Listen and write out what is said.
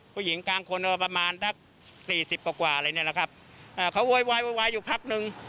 ผู้หญิงกลางคนประมาณสี่สิบกว่าอะไรเนี่ยนะครับเขาวัยวายวัยวายอยู่พักนึง